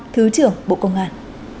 thứ trưởng bộ công an